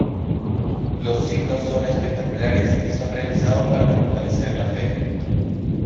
Los signos son espectaculares, y son realizados para fortalecer la fe.